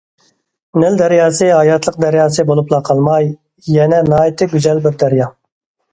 نىل دەرياسى ھاياتلىق دەرياسى بولۇپلا قالماي يەنە ناھايىتى گۈزەل بىر دەريا.